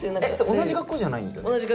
同じ学校じゃないよね？